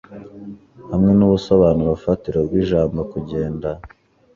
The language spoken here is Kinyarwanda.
hamwe n'ubusobanuro-fatiro bw'ijambo"kugenda"